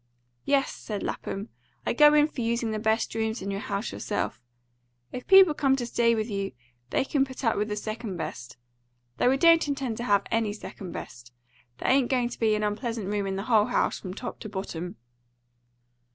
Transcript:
"Yes," said Lapham, "I go in for using the best rooms in your house yourself. If people come to stay with you, they can put up with the second best. Though we don't intend to have any second best. There ain't going to be an unpleasant room in the whole house, from top to bottom."